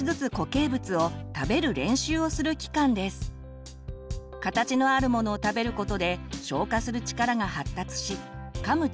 形のあるものを食べることで消化する力が発達しかむ